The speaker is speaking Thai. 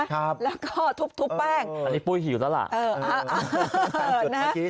ครับแล้วก็ทุบแป้งอันนี้ปุ้ยหิวแล้วล่ะเออนะฮะ